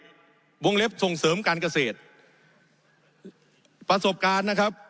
วงเล็บส่งเสริมการเกษตรประสบการณ์นะครับ